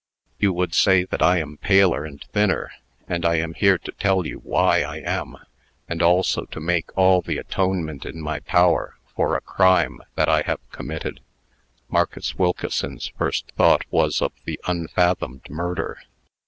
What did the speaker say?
"You would say that I am paler and thinner; and I am here to tell you why I am, and also to make all the atonement in my power for a crime that I have committed." Marcus Wilkeson's first thought was of the unfathomed murder.